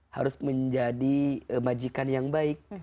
harus menjadi majikan yang baik